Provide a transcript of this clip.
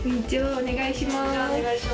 お願いします。